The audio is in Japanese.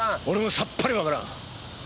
俺もさっぱりわからん。